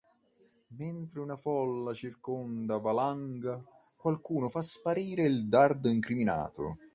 Mentre una folla circonda Valanga, qualcuno fa sparire il dardo incriminato.